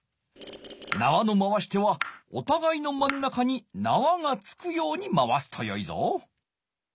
なわの回し手はおたがいの真ん中になわが着くように回すとよいぞ。